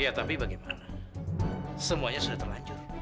iya tapi bagaimana semuanya sudah terlanjut